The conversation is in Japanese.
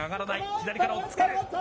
左から押っつける。